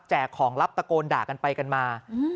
ของลับตะโกนด่ากันไปกันมา